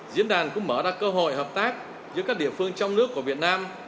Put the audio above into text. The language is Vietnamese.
diễn đàn cũng mở ra cơ hội hợp tác giữa các địa phương trong nước của việt nam